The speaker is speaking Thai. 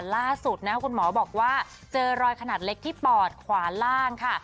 ล่าสุดนะคุณหมอบอกว่าเจอรอยขนาดเล็กที่ปอดขวาล่างค่ะ